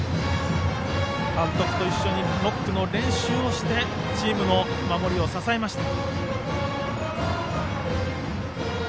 監督と一緒にノックの練習をしてチームの守りを支えました。